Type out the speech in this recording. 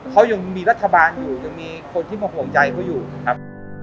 เขายังมีรัฐบาลอยู่ยังมีคนที่มาห่วงใจเขาอยู่ครับ